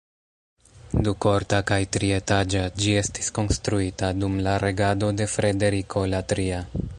Dukorta kaj trietaĝa, ĝi estis konstruita dum la regado de Frederiko la Tria.